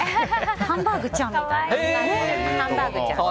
ハンバーグちゃんみたいな。